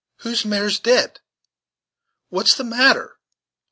whose mare's dead? what's the matter?"